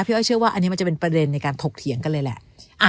อ้อยเชื่อว่าอันนี้มันจะเป็นประเด็นในการถกเถียงกันเลยแหละ